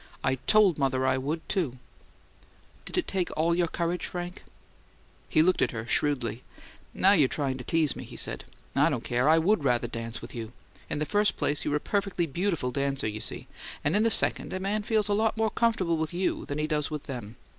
"I TOLD mother I would, too!" "Did it take all your courage, Frank?" He looked at her shrewdly. "Now you're trying to tease me," he said. "I don't care; I WOULD rather dance with you! In the first place, you're a perfectly beautiful dancer, you see, and in the second, a man feels a lot more comfortable with you than he does with them.